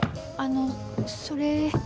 あのそれ。